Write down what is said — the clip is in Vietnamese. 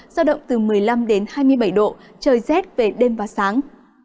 giao động từ một mươi năm đến hai mươi bảy độ trời rét về đêm và sáng